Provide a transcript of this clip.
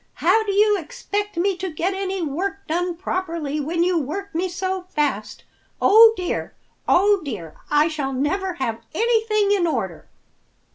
How do you expect me to get any work done properly when you work me so fast? Oh, dear! Oh, dear! I shall never have anything in order!"